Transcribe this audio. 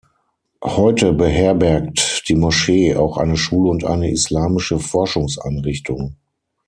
Heute beherbergt die Moschee auch eine Schule und eine islamische Forschungseinrichtung.